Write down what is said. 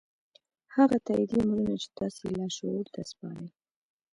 هغه تايیدي امرونه چې تاسې یې لاشعور ته سپارئ